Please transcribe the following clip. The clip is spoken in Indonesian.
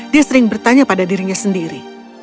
dia sering bertanya pada dirinya sendiri